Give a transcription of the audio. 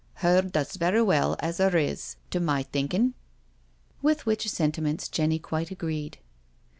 Her does verra well as her is, to my thinkin'." With which sentiments Jenny quite agreed.